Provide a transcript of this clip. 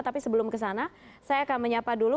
tapi sebelum ke sana saya akan menyapa dulu